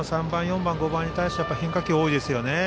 ３番、４番、５番に対しては変化球が多いですよね。